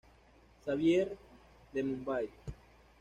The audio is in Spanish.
Xavier, de Mumbai.